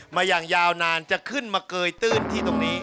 มาอย่างยาวนานจะขึ้นมาเกยตื้นที่ตรงนี้